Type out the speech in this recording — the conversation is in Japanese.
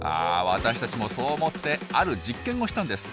私たちもそう思ってある実験をしたんです。